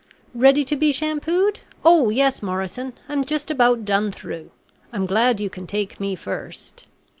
Ready to be shampooed? oh, yes, Morrison; I'm just about `done through;' I'm glad you can take me first."